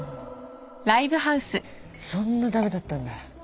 そんな駄目だったんだ。